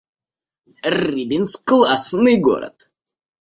Рыбинск — классный город